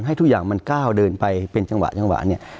ให้ทุกอย่างมันก้าวเดินไปเป็นจังหวะ